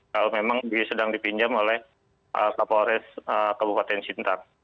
kalau memang dia sedang dipinjam oleh polores kabupaten cintang